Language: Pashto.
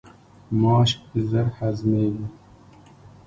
ماش ژر هضمیږي.